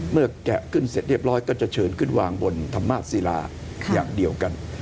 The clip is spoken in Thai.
แกะขึ้นเสร็จเรียบร้อยก็จะเชิญขึ้นวางบนธรรมาศศิลาอย่างเดียวกัน